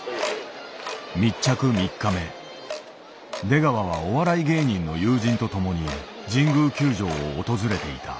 出川はお笑い芸人の友人と共に神宮球場を訪れていた。